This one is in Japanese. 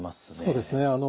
そうですね。